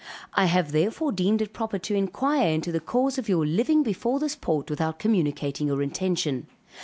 I have therefore deemed it proper to inquire into the cause of your living before this port without communicating your intention.